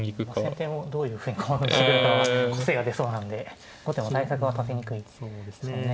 先手もどういう変化をするかは個性が出そうなんで後手も対策は立てにくいですよね。